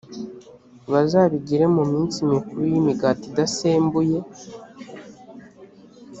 bazabigire mu minsi mikuru y’imigati idasembuye,